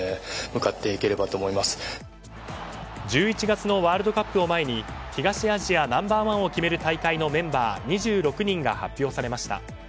１１月のワールドカップを前に東アジア、ナンバー１を決める大会のメンバー２６人が発表されました。